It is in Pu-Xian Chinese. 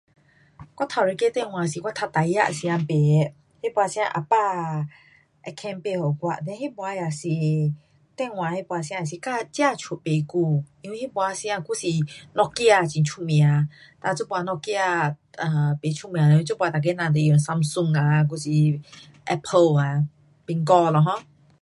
我头一个电话是我读大学时间买的，那次时间阿爸会肯买给我，then 那次也是，电话那次时间也是刚出不久，因为那次时间还是 nokia 很出名。哒这次 nokia 不出名了，这次每个人用 samsung 啊，还是 apple 啊，苹果咯 um